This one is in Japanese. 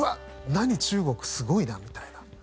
何、中国すごいなみたいな。